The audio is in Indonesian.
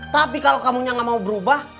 tapi kalo kamu yang ga mau berubah